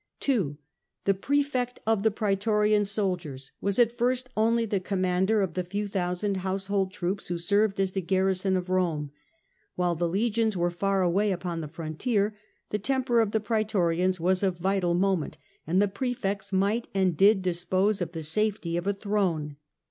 (2) The Praefect of the Praetorian solders was at first , only the commander of the few thousand household The Praefect troops who served as the garrison of Rome, fiatorian ^Vhile the legions were far away upon the Guards. frontier, the temper of the Praetorians was of ■ vital moment, and the Praefects might and did dispose of* the safety of a thrpne.